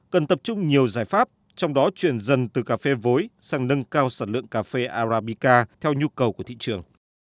cần tập trung nhiều giải pháp trong đó chuyển dần từ cà phê vối sang nâng cao sản lượng cà phê arabica theo nhu cầu của thị trường